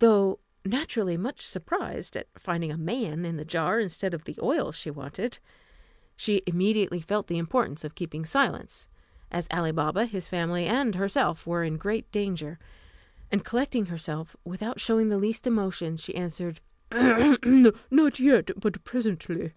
Though naturally much surprised at finding a man in the jar instead of the oil she wanted, she immediately felt the importance of keeping silence, as Ali Baba, his family, and herself were in great danger; and collecting herself, without showing the least emotion, she answered, "Not yet, but presently."